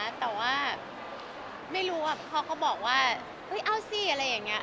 เขาก็เบรกนะแต่ว่าไม่รู้อะเพราะเขาบอกว่าเอาสิอะไรอย่างนี้